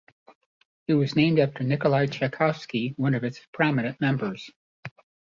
It was named after Nikolai Tchaikovsky, one of its prominent members.